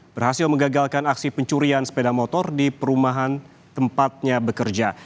berhasil mengagalkan aksi pencurian sepeda motor di perumahan tempatnya bekerja